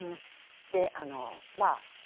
であのまあ。